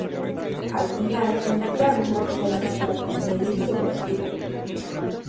Al final tendrán que aunar fuerzas para conseguir su objetivo.